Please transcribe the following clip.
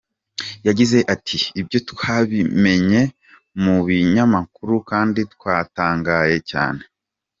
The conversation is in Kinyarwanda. Yagize ati “ Ibyo twabimenyeye mu binyamakuru kandi twatangaye cyane.